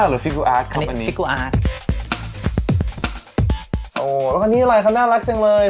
แล้วก็นี่อะไรครับน่ารักจังเลย